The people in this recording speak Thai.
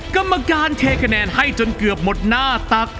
กรรมการเทคะแนนให้จนเกือบหมดหน้าตัก